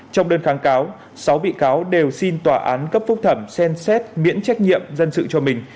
trong đơn kháng cáo sáu bị cáo đều xin tòa án cấp phúc thẩm xem xét miễn trách nhiệm dân sự cho mình